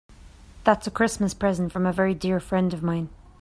That's a Christmas present from a very dear friend of mine.